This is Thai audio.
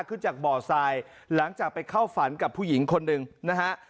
ขึ้นจากบ่อทรายหลังจากไปเข้าฝันกับผู้หญิงคนหนึ่งนะฮะ